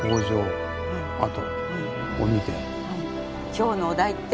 今日のお題って。